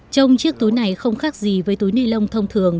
trong chiếc túi này không khác gì với túi ni lông thông thường